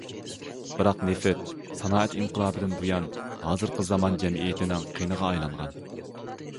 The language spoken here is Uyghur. بىراق نېفىت سانائەت ئىنقىلابىدىن بۇيان، ھازىرقى زامان جەمئىيىتىنىڭ قېنىغا ئايلانغان.